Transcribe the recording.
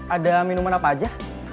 ada minuman apa aja